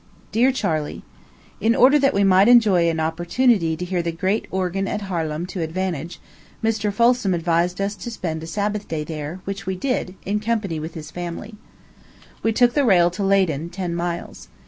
DEAR CHARLEY: In order that we might enjoy an opportunity to hear the great organ at Harlem to advantage, Mr. Folsom advised us to spend a Sabbath day there, which we did, in company with his family. We took the rail to Leyden, ten miles.